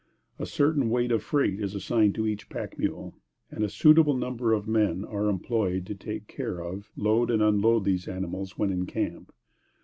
A certain weight of freight is assigned to each pack mule, and a suitable number of men are employed to take care of, load and unload these animals when in camp.